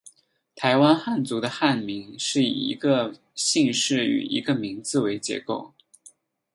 台湾汉族的汉名是以一个姓氏与一个名字为结构。